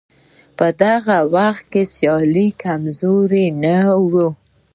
په هغه وخت کې سیالي کمزورې یا نه وه.